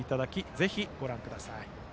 ぜひ、ご覧ください。